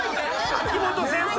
秋元先生！